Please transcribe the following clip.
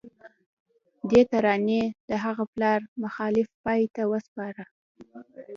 دې ترانې د هغه د پلار مخالفت پای ته ورساوه